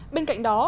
bên cạnh đó